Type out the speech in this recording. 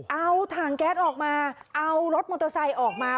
เอาถังแก๊สออกมาเอารถมอเตอร์ไซค์ออกมา